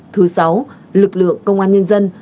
thứ sáu lực lượng công an nhân dân